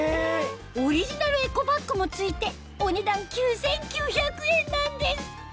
オリジナルエコバッグも付いてお値段９９００円なんです